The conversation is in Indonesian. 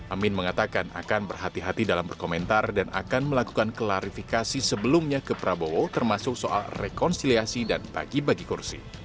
amin mengatakan akan berhati hati dalam berkomentar dan akan melakukan klarifikasi sebelumnya ke prabowo termasuk soal rekonsiliasi dan bagi bagi kursi